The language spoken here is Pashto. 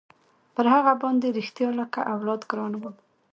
پر هغه باندې رښتيا لکه اولاد ګران وم.